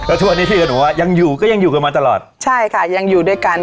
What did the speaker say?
แล้วทุกวันนี้พี่กับหนูอ่ะยังอยู่ก็ยังอยู่กันมาตลอดใช่ค่ะยังอยู่ด้วยกัน